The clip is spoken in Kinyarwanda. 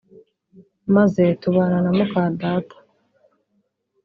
maze tubana na mukadata